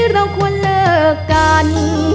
เราควรเลิกกัน